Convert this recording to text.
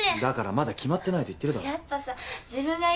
だからまだ決まってないと言ってるだろう。